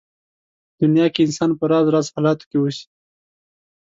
دنيا کې انسان په راز راز حالاتو کې اوسي.